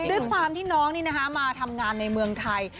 ด้วยความที่น้องนี่นะคะมาทำงานในเมืองไทย